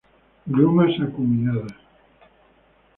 Glumas acuminadas.